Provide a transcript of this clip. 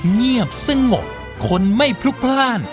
เงียบสงบคนไม่พลุกพลาด